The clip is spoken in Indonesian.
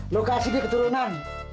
lu kasih dia keturunan